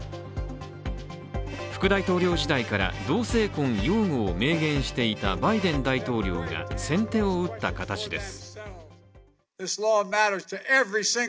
副大統領時代から同性婚擁護を明言していたバイデン大統領が先手を打った形です。